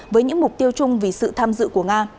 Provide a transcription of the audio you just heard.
với những mục tiêu chung vì sự tham dự của nga